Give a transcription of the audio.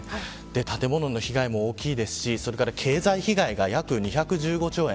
建物への被害も大きいですし経済被害が約２１５兆円。